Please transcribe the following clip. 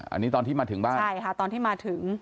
อันนี้ตอนที่มาถึงบ้านใช่ค่ะตอนที่มาถึง